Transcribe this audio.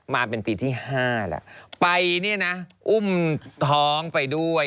มาเป็นปีที่๕แล้วไปเนี่ยนะอุ้มท้องไปด้วย